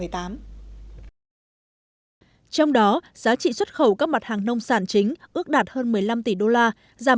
trong đó giá trị xuất khẩu các mặt hàng nông sản chính ước đạt hơn một mươi năm tỷ đô la giảm bốn